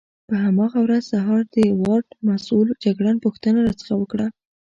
په هماغه ورځ سهار د وارډ مسؤل جګړن پوښتنه راڅخه وکړه.